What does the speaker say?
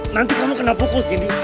nanti kamu kena pukul